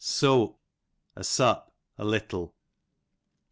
Sope, a sup, a little.